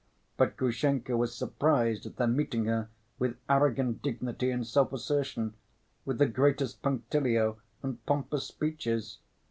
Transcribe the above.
But Grushenka was surprised at their meeting her with arrogant dignity and self‐assertion, with the greatest punctilio and pompous speeches.